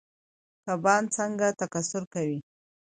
کبان څنګه تکثیر کوي؟